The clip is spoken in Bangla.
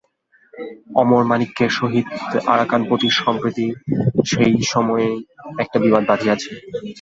অমরমাণিক্যের সহিত আরাকানপতির সম্প্রতি সেইরূপ একটি বিবাদ বাধিয়াছে।